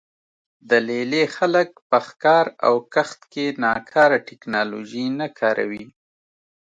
د لې لې خلک په ښکار او کښت کې ناکاره ټکنالوژي نه کاروي